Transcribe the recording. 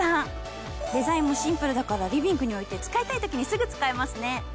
デザインもシンプルだからリビングに置いて使いたいときにすぐ使えますね。